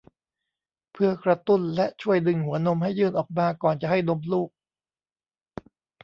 เพื่อกระตุ้นและช่วยดึงหัวนมให้ยื่นออกมาก่อนจะให้นมลูก